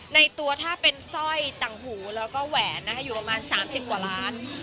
ในตัวถ้าเป็นสร้อยต่างหูแล้วก็แหวนนะคะอยู่ประมาณ๓๐กว่าล้าน